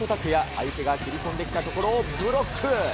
相手が切り込んできたところをブロック。